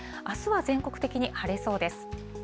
あすは全国的に晴れそうです。